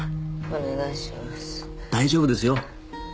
大丈夫ですよ。